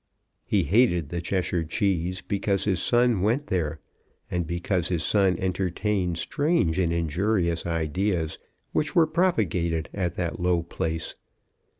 He hated the Cheshire Cheese because his son went there, and because his son entertained strange and injurious ideas which were propagated at that low place.